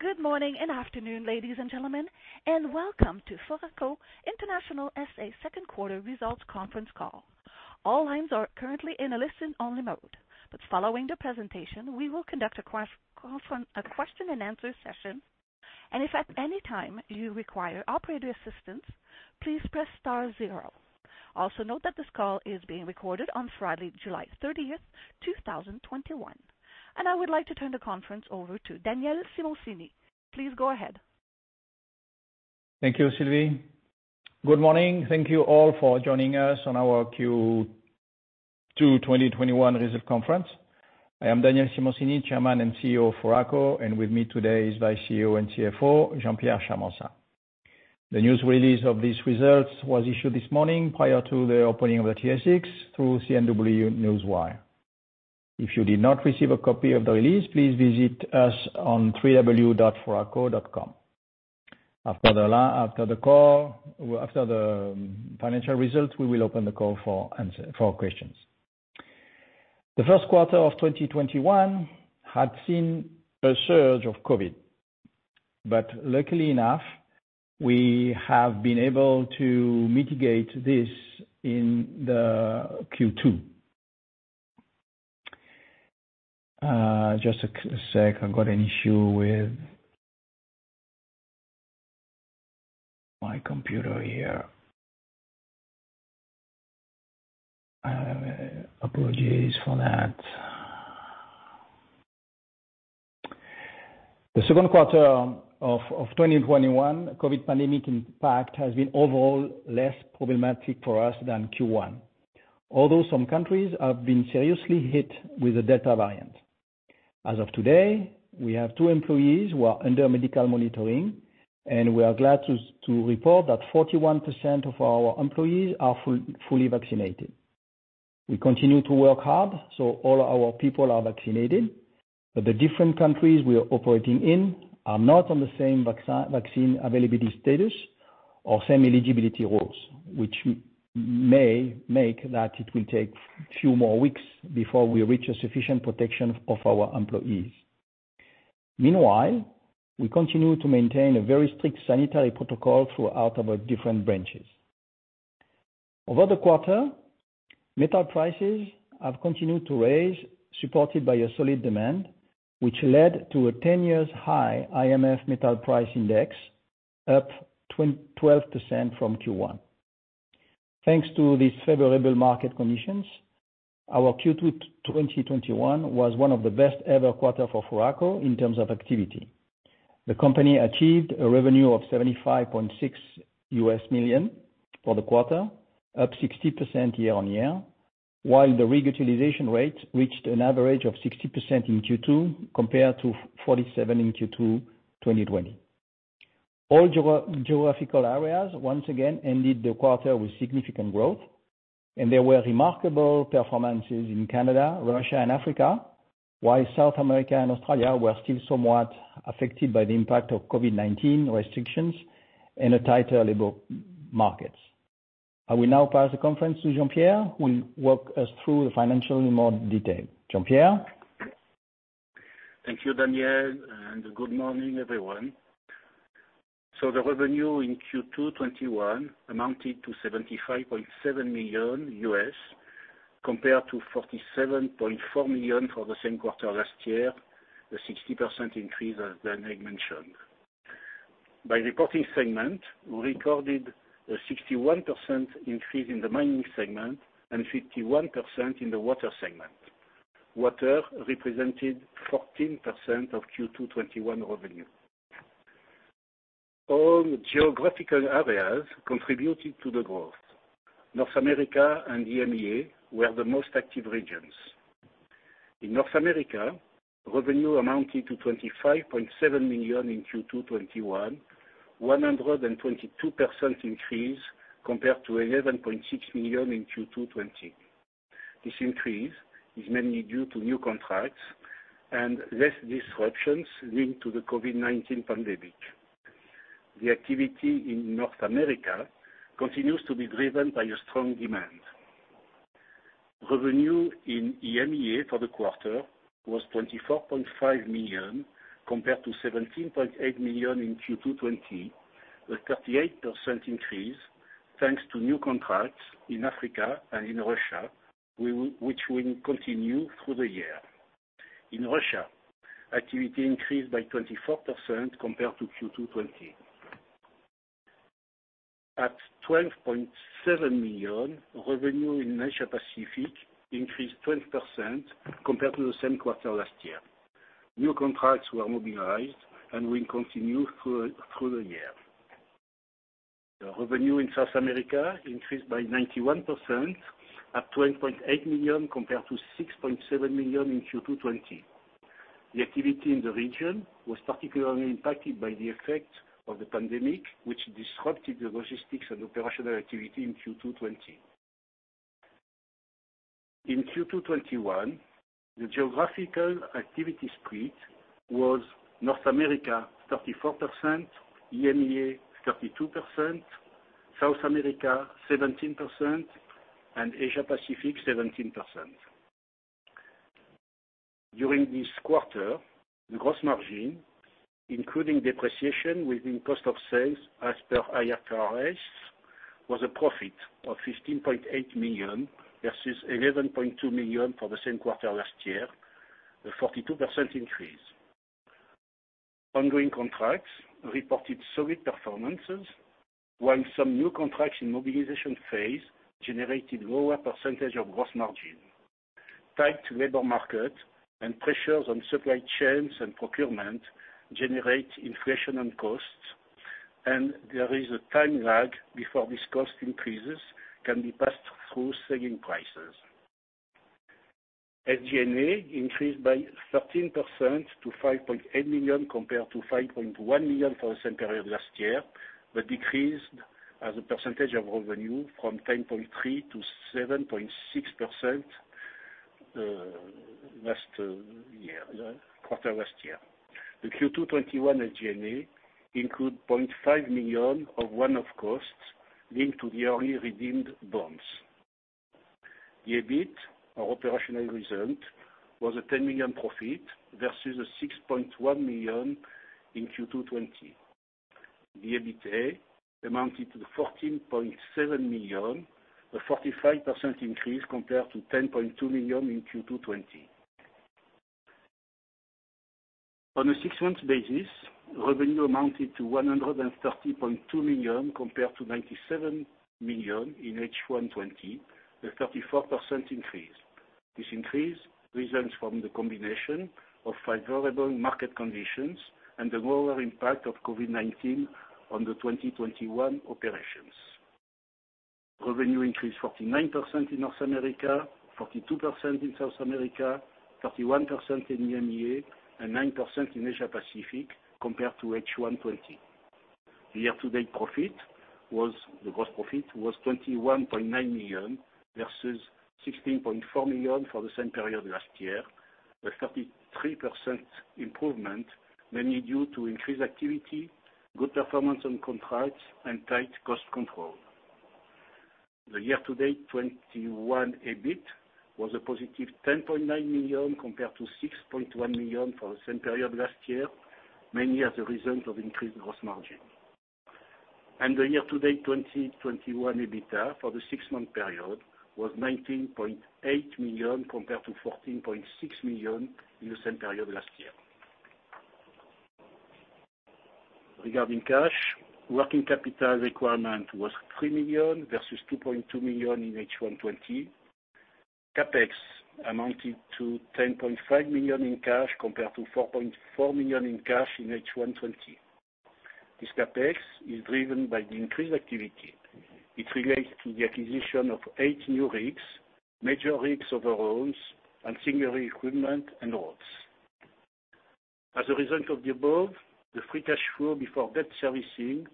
Good morning and afternoon, ladies and gentlemen, and welcome to Foraco International SA second quarter results conference call. All lines are currently in a listen-only mode, but following the presentation, we will conduct a question and answer session. If at any time you require operator assistance, please press star zero. Also, note that this call is being recorded on Friday, July 30, 2021. I would like to turn the conference over to Daniel Simoncini. Please go ahead. Thank you, Sylvie. Good morning. Thank you all for joining us on our Q2 2021 results conference. I am Daniel Simoncini, Chairman and CEO of Foraco, and with me today is Vice CEO and CFO, Jean-Pierre Charmensat. The news release of these results was issued this morning prior to the opening of the TSX, through CNW Newswire. If you did not receive a copy of the release, please visit us on www.foraco.com. After the call, after the financial results, we will open the call for answer, for questions. The first quarter of 2021 had seen a surge of COVID, but luckily enough, we have been able to mitigate this in the Q2. Just a sec, I've got an issue with my computer here. Apologies for that. The second quarter of 2021, COVID pandemic impact has been overall less problematic for us than Q1, although some countries have been seriously hit with the Delta variant. As of today, we have two employees who are under medical monitoring, and we are glad to report that 41% of our employees are fully vaccinated. We continue to work hard, so all our people are vaccinated, but the different countries we are operating in are not on the same vaccine availability status or same eligibility rules, which may make that it will take few more weeks before we reach a sufficient protection of our employees. Meanwhile, we continue to maintain a very strict sanitary protocol throughout our different branches. Over the quarter, metal prices have continued to rise, supported by a solid demand, which led to a ten-year high IMF Metal Price Index, up 12% from Q1. Thanks to these favorable market conditions, our Q2 2021 was one of the best ever quarter for Foraco in terms of activity. The company achieved a revenue of $75.6 million for the quarter, up 60% year-on-year, while the rig utilization rate reached an average of 60% in Q2, compared to 47 in Q2 2020. All geographical areas once again ended the quarter with significant growth, and there were remarkable performances in Canada, Russia, and Africa, while South America and Australia were still somewhat affected by the impact of COVID-19 restrictions and the tighter labor markets. I will now pass the conference to Jean-Pierre, who will walk us through the financials in more detail. Jean-Pierre? Thank you, Daniel, and good morning, everyone. So the revenue in Q2 2021 amounted to $75.7 million, compared to $47.4 million for the same quarter last year, a 60% increase, as Daniel mentioned. By reporting segment, we recorded a 61% increase in the mining segment and 51% in the water segment. Water represented 14% of Q2 21 revenue. All geographical areas contributed to the growth. North America and EMEA were the most active regions. In North America, revenue amounted to $25.7 million in Q2 21, 122% increase compared to $11.6 million in Q2 2020. This increase is mainly due to new contracts and less disruptions linked to the COVID-19 pandemic. The activity in North America continues to be driven by a strong demand. Revenue in EMEA for the quarter was $24.5 million, compared to $17.8 million in Q2 2020, a 38% increase, thanks to new contracts in Africa and in Russia, which will continue through the year. In Russia, activity increased by 24% compared to Q2 2020. At $12.7 million, revenue in Asia Pacific increased 20% compared to the same quarter last year. New contracts were mobilized and will continue through the year. The revenue in South America increased by 91%, at $12.8 million, compared to $6.7 million in Q2 2020. The activity in the region was particularly impacted by the effect of the pandemic, which disrupted the logistics and operational activity in Q2 2020. In Q2 2021, the geographical activity split was North America, 34%; EMEA, 32%;... South America 17%, and Asia Pacific 17%. During this quarter, the gross margin, including depreciation within cost of sales as per IFRS, was a profit of $15.8 million versus $11.2 million for the same quarter last year, a 42% increase. Ongoing contracts reported solid performances, while some new contracts in mobilization phase generated lower percentage of gross margin. Tight labor market and pressures on supply chains and procurement generate inflation and costs, and there is a time lag before these cost increases can be passed through selling prices. SG&A increased by 13%-$5.8 million, compared to $5.1 million for the same period last year, but decreased as a percentage of revenue from 10.3%-7.6% last quarter last year. The Q2 2021 SG&A include $0.5 million of one-off costs linked to the early redeemed bonds. The EBIT, our operational result, was a $10 million profit versus a $6.1 million in Q2 2020. The EBITDA amounted to $14.7 million, a 45% increase compared to $10.2 million in Q2 2020. On a six-month basis, revenue amounted to $130.2 million, compared to $97 million in H1 2020, a 34% increase. This increase results from the combination of favorable market conditions and the lower impact of COVID-19 on the 2021 operations. Revenue increased 49% in North America, 42% in South America, 31% in EMEA, and 9% in Asia Pacific, compared to H1 2020. The year-to-date gross profit was $21.9 million versus $16.4 million for the same period last year, a 33% improvement, mainly due to increased activity, good performance on contracts, and tight cost control. The year-to-date 2021 EBIT was a positive $10.9 million, compared to $6.1 million for the same period last year, mainly as a result of increased gross margin. And the year-to-date 2021 EBITDA for the six-month period was $19.8 million, compared to $14.6 million in the same period last year. Regarding cash, working capital requirement was $3 million versus $2.2 million in H1 2020. CapEx amounted to $10.5 million in cash, compared to $4.4 million in cash in H1 2020. This CapEx is driven by the increased activity. It relates to the acquisition of 8 new rigs, major rigs overhauls, and similar equipment and rigs. As a result of the above, the free cash flow before debt servicing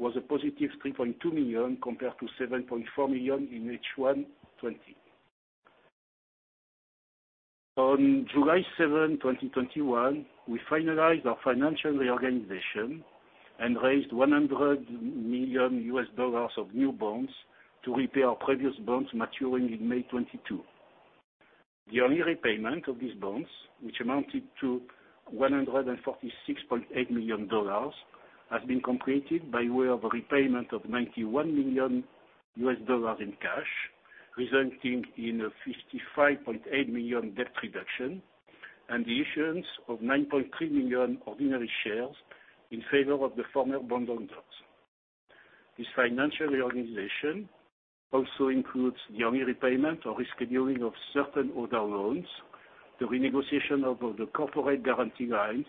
was a positive $3.2 million, compared to $7.4 million in H1 2020. On July 7, 2021, we finalized our financial reorganization and raised $100 million of new bonds to repay our previous bonds maturing in May 2022. The only repayment of these bonds, which amounted to $146.8 million, has been completed by way of a repayment of $91 million in cash, resulting in a $55.8 million debt reduction and the issuance of 9.3 million ordinary shares in favor of the former bondholders. This financial reorganization also includes the only repayment or rescheduling of certain other loans, the renegotiation of the corporate guarantee lines,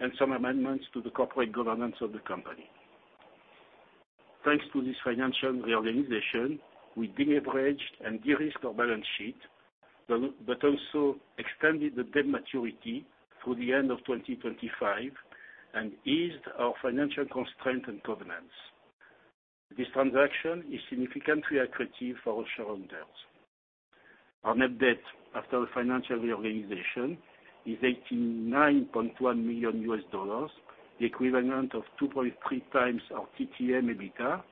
and some amendments to the corporate governance of the company. Thanks to this financial reorganization, we de-leveraged and de-risked our balance sheet, but also extended the debt maturity through the end of 2025 and eased our financial constraint and covenants. This transaction is significantly accretive for our shareholders. Our net debt after the financial reorganization is $89.1 million, the equivalent of 2.3 times our TTM EBITDA,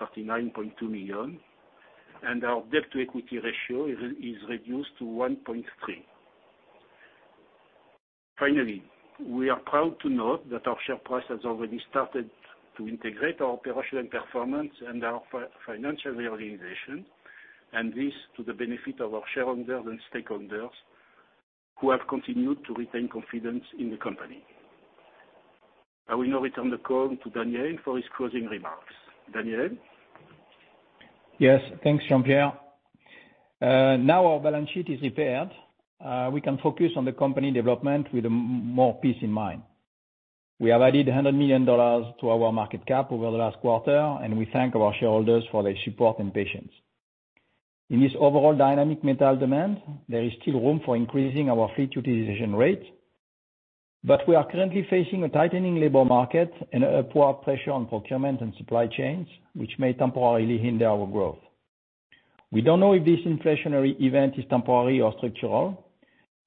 $39.2 million, and our debt-to-equity ratio is reduced to 1.3. Finally, we are proud to note that our share price has already started to integrate our operational performance and our financial reorganization, and this to the benefit of our shareholders and stakeholders, who have continued to retain confidence in the company. I will now return the call to Daniel for his closing remarks. Daniel? Yes, thanks, Jean-Pierre. Now our balance sheet is repaired, we can focus on the company development with more peace in mind. We have added $100 million to our market cap over the last quarter, and we thank our shareholders for their support and patience. In this overall dynamic metal demand, there is still room for increasing our fleet utilization rate, but we are currently facing a tightening labor market and upward pressure on procurement and supply chains, which may temporarily hinder our growth. We don't know if this inflationary event is temporary or structural,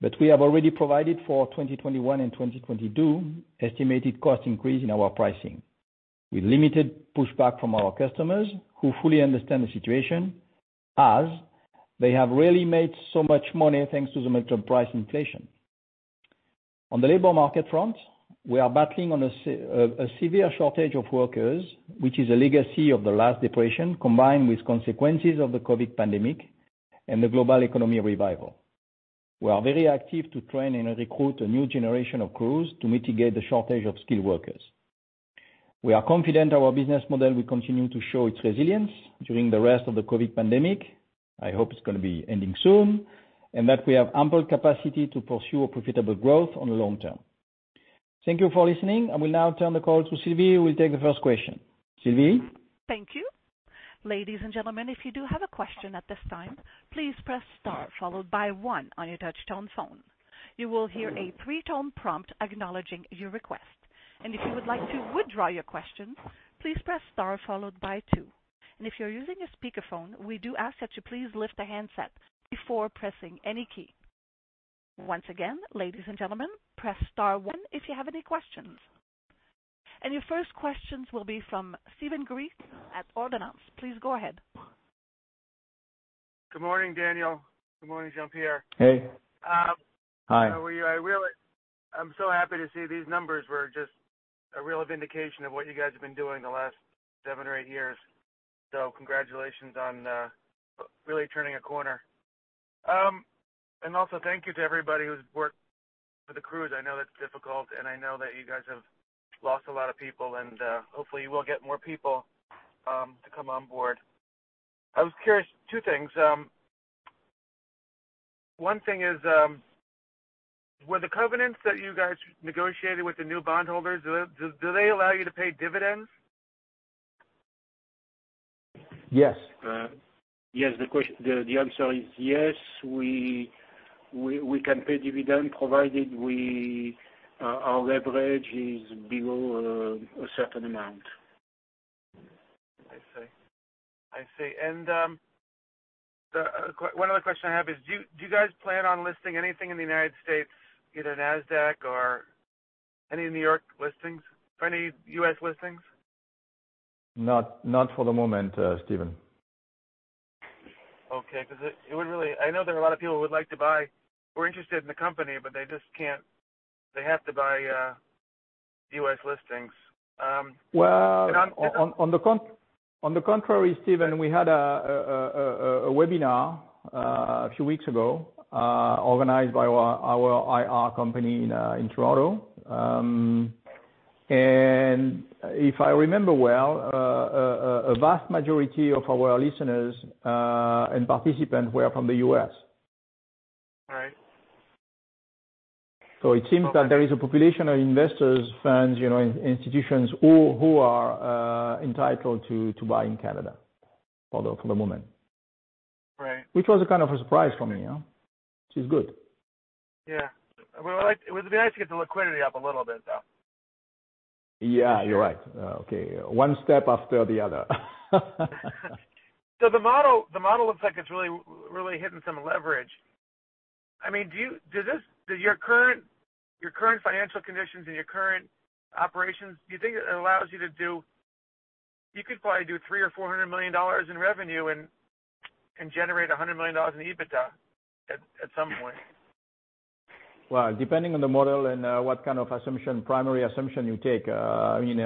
but we have already provided for 2021 and 2022 estimated cost increase in our pricing, with limited pushback from our customers, who fully understand the situation, as they have really made so much money thanks to the metal price inflation. On the labor market front, we are battling a severe shortage of workers, which is a legacy of the last depression, combined with consequences of the COVID pandemic and the global economy revival. We are very active to train and recruit a new generation of crews to mitigate the shortage of skilled workers. We are confident our business model will continue to show its resilience during the rest of the COVID pandemic. I hope it's gonna be ending soon, and that we have ample capacity to pursue a profitable growth on the long term. Thank you for listening. I will now turn the call to Sylvie, who will take the first question. Sylvie? Thank you. Ladies and gentlemen, if you do have a question at this time, please press star followed by one on your touchtone phone. You will hear a pre-tone prompt acknowledging your request, and if you would like to withdraw your question, please press star followed by two. If you're using a speakerphone, we do ask that you please lift the handset before pressing any key. Once again, ladies and gentlemen, press star one if you have any questions. Your first questions will be from Stefan Grivas at Ordnance Capital. Please go ahead. Good morning, Daniel. Good morning, Jean-Pierre. Hey. Hi. How are you? I really, I'm so happy to see these numbers. We're just a real vindication of what you guys have been doing the last seven or eight years. So congratulations on really turning a corner. And also thank you to everybody who's worked for the crews. I know that's difficult, and I know that you guys have lost a lot of people, and hopefully you will get more people to come on board. I was curious, two things. One thing is, were the covenants that you guys negotiated with the new bondholders do they allow you to pay dividends? Yes. Yes. The answer is yes, we can pay dividend, provided our leverage is below a certain amount. I see. I see, and one other question I have is, do you, do you guys plan on listing anything in the United States, either NASDAQ or any New York listings or any U.S. listings? Not, not for the moment, Steven. Okay, 'cause it would really... I know there are a lot of people who would like to buy, who are interested in the company, but they just can't. They have to buy U.S. listings. Well- And on, and on- On the contrary, Steven, we had a webinar a few weeks ago organized by our IR company in Toronto. And if I remember well, a vast majority of our listeners and participants were from the U.S. Right. It seems that there is a population of investors, friends, you know, institutions, who are entitled to buy in Canada for the moment. Right. Which was a kind of a surprise for me, yeah? Which is good. Yeah. It would like, it would be nice to get the liquidity up a little bit, though. Yeah, you're right. Okay, one step after the other. The model, the model looks like it's really, really hitting some leverage. I mean, do you, does this, do your current, your current financial conditions and your current operations, do you think it allows you to do? You could probably do $300 million-$400 million in revenue and generate $100 million in EBITDA at, at some point. Well, depending on the model and what kind of assumption, primary assumption you take, I mean,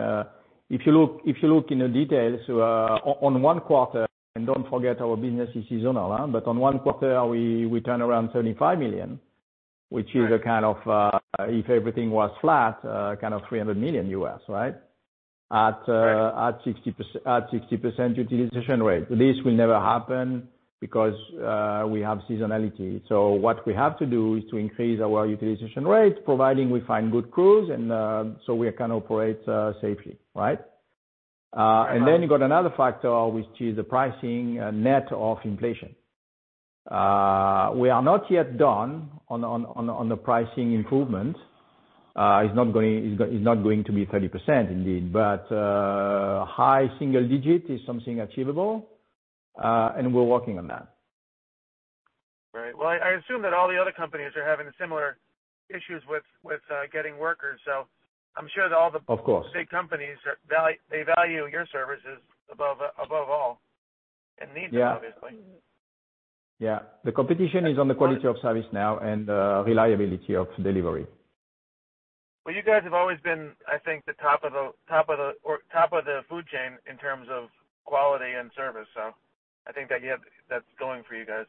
if you look, if you look in the details, on one quarter, and don't forget, our business is seasonal, but on one quarter, we turn around $35 million. Right. Which is a kind of, if everything was flat, kind of $300 million, right? Right. At 60% utilization rate. This will never happen because we have seasonality. So what we have to do is to increase our utilization rate, providing we find good crews and so we can operate safely, right? Right. And then you got another factor, which is the pricing, net of inflation. We are not yet done on the pricing improvement. It's not going to be 30%, indeed, but high single digit is something achievable, and we're working on that. Right. Well, I assume that all the other companies are having similar issues with getting workers, so I'm sure that all the- Of course... big companies value—they value your services above all, and needs. Yeah - obviously. Yeah. The competition is on the quality of service now and reliability of delivery. Well, you guys have always been, I think, the top of the food chain in terms of quality and service, so I think that you have – that's going for you guys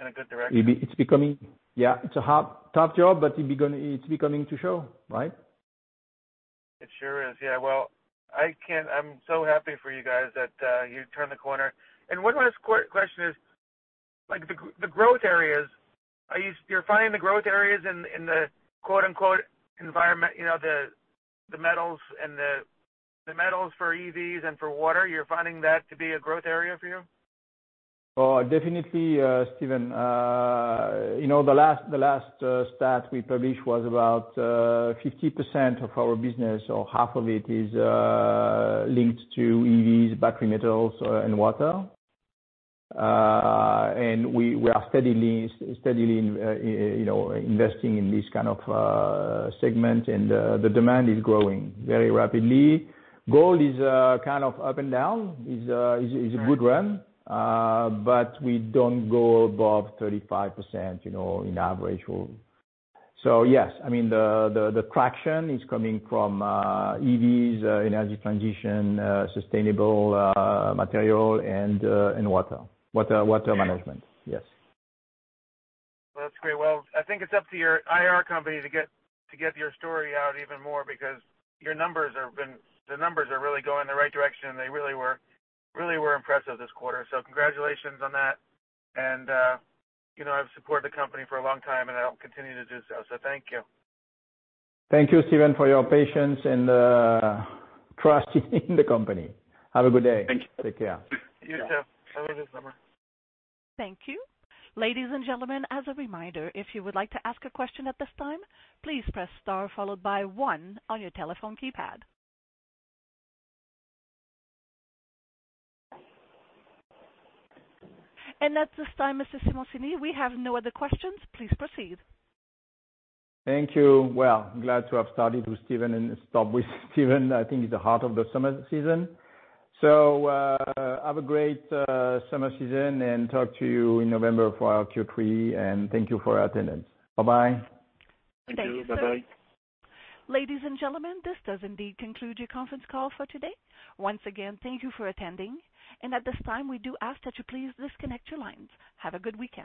in a good direction. It's becoming... Yeah, it's a hard, tough job, but it's beginning to show, right? It sure is. Yeah. Well, I can- I'm so happy for you guys that you turned the corner. And one last question is, like, the growth areas, are you finding the growth areas in the, in the, quote unquote, "environment," you know, the metals and the metals for EVs and for water, you're finding that to be a growth area for you? Oh, definitely, Steven. You know, the last stat we published was about 50% of our business, or half of it, is linked to EVs, battery metals, and water. And we are steadily investing in this kind of segment, and the demand is growing very rapidly. Gold is kind of up and down. It's a good run, but we don't go above 35%, you know, in average. So yes, I mean, the traction is coming from EVs, energy transition, sustainable material and water. Water management. Yes. That's great. Well, I think it's up to your IR company to get, to get your story out even more because your numbers have been... The numbers are really going in the right direction, and they really were, really were impressive this quarter. So congratulations on that, and, you know, I've supported the company for a long time, and I'll continue to do so. So thank you. Thank you, Steven, for your patience and trust in the company. Have a good day. Thank you. Take care. You too. Have a good summer. Thank you. Ladies and gentlemen, as a reminder, if you would like to ask a question at this time, please press star followed by one on your telephone keypad. And at this time, Mr. Simoncini, we have no other questions. Please proceed. Thank you. Well, glad to have started with Steven and stop with Steven. I think it's the heart of the summer season. So, have a great summer season, and talk to you in November for our Q3, and thank you for your attendance. Bye-bye. Thank you. Thank you. Bye-bye. Ladies and gentlemen, this does indeed conclude your conference call for today. Once again, thank you for attending, and at this time, we do ask that you please disconnect your lines. Have a good weekend.